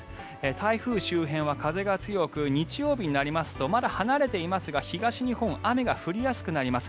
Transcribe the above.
台風周辺は風が強く日曜日になりますとまだ離れていますが東日本雨が降りやすくなります。